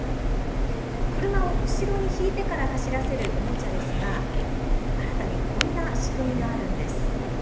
車を後ろに引いてから走らせるおもちゃですが、新たにこんな仕組みがあるんです。